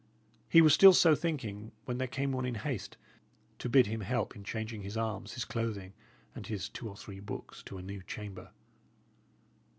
He was still so thinking, when there came one in haste, to bid him help in changing his arms, his clothing, and his two or three books, to a new chamber.